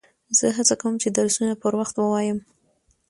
زه هڅه کوم، چي درسونه پر وخت ووایم.